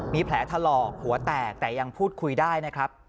มีแผลถลอกหัวแตกแต่ยังพูดคุยได้นะครับ